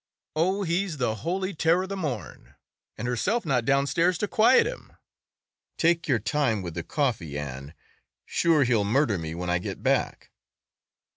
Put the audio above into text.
Oh, he's the holy terror the morn, and herself not downstairs to quaite him! Take your time with the coffee, Ann; sure he'll murder me when I get back."